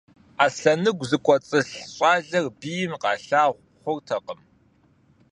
Аслъэныгу зыкӀуэцӀылъ щӀалэр бийм къалъагъу хъуртэкъым.